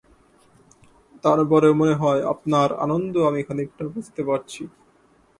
তারপরেও মনে হয় আপনার আনন্দ আমি খানিকটা বুঝতে পারছি।